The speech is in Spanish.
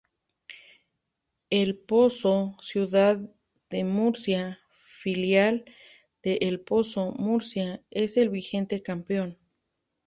El ElPozo Ciudad de Murcia, filial de ElPozo Murcia es el vigente campeón.